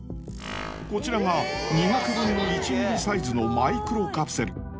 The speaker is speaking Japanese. こちらが２００分の１ミリサイズのマイクロカプセル。